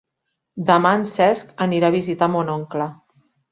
Demà en Cesc anirà a visitar mon oncle.